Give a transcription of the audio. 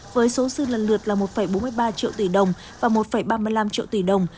với số dư lần lượt là một bốn mươi ba triệu tỷ đồng và một ba mươi năm triệu tỷ đồng